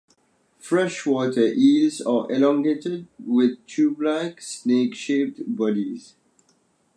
Freshwater eels are elongated with tubelike, snake-shaped bodies.